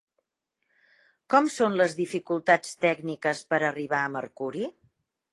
Com són les dificultats tècniques per arribar a Mercuri?